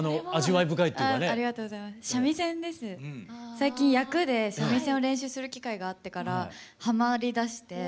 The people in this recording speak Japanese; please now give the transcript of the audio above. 最近役で三味線を練習する機会があってからハマりだして。